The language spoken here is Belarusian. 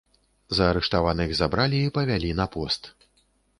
Заарыштаваных забралі і павялі на пост.